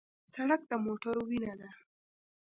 سړک د موټرو وینه ده.